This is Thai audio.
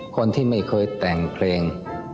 คนที่ไม่เคยแต่งเพลง